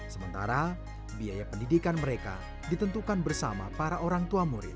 sementara biaya pendidikan mereka ditentukan bersama para orang tua murid